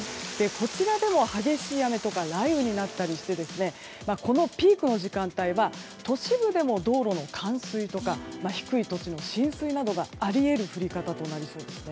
こちらでも激しい雨とか雷雨になったりしてこのピークの時間帯は都市部でも道路の冠水とか低い土地の浸水などがあり得る降り方となりそうです。